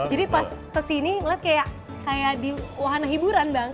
jadi pas kesini ngeliat kayak diwahan hiburan bang